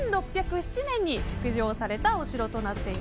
１６０７年に築城されたお城です。